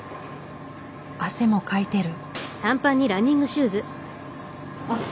汗もかいてる。